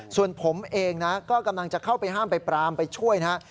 ส่วนผมเองนะก็กำลังจะเข้าไปห้ามไปปรามไปช่วยนะฮะ